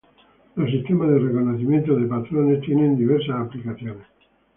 Los sistemas de reconocimiento de patrones tienen diversas aplicaciones.